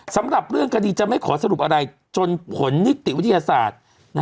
สำหรับเรื่องคดีจะไม่ขอสรุปอะไรจนผลนิติวิทยาศาสตร์